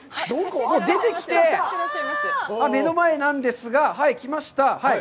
出てきて、目の前なんですが、はい、来ました、はい。